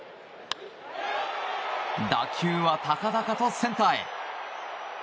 打球は高々とセンターへ。